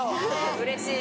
うれしい。